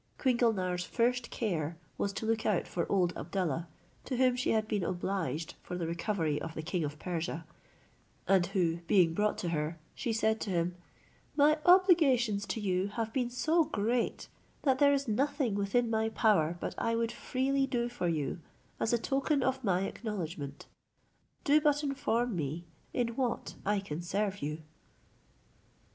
Queen Gulnare's first care was to look out for old Abdallah, to whom she had been obliged for the recovery of the king of Persia; and who being brought to her, she said to him, "My obligations to you have been so great, that there is nothing within my power but I would freely do for you, as a token of my acknowledgment. Do but inform me in what I can serve you."